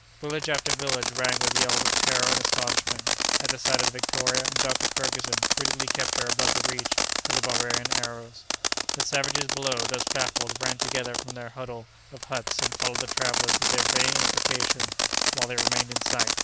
Village after village rang with yells of terror and astonishment at the sight of the Victoria, and Dr. Ferguson prudently kept her above the reach of the barbarian arrows. The savages below, thus baffled, ran together from their huddle of huts and followed the travellers with their vain imprecations while they remained in sight.